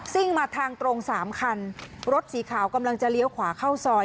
่งมาทางตรงสามคันรถสีขาวกำลังจะเลี้ยวขวาเข้าซอย